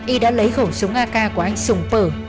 y đã lấy khẩu súng ak của anh sùng phở